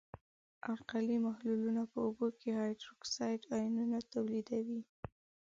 القلي محلولونه په اوبو کې هایدروکساید آیونونه تولیدوي.